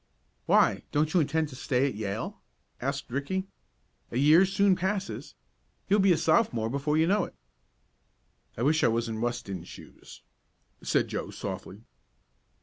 "Why, don't you intend to stay at Yale?" asked Ricky. "A year soon passes. You'll be a Sophomore before you know it." "I wish I was in Weston's shoes," said Joe softly.